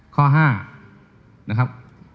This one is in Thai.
ข้อ๕นะครับ